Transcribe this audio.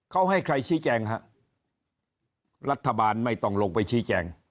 เขาให้ใครชี้แจงฮะรัฐบาลไม่ต้องลงไปชี้แจง